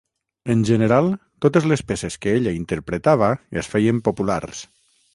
En general, totes les peces que ella interpretava es feien populars.